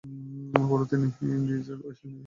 পরে তিনি ওয়েস্ট ইন্ডিজের পক্ষে খেলেন।